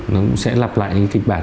nó sẽ lặp lại những kịch bản